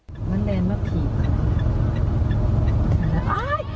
คุณขอบคุณที่เป็นคนด้วยเราอาสามารถถ่ายคนไว้ได้มาพ่อ